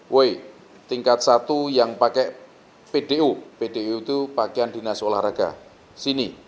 w tingkat satu yang pakai pdu pdu itu pakaian dinas olahraga sini